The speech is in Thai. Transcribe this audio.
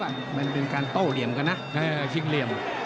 มันเป็นการโต้เหลี่ยมกันนะชิงเหลี่ยม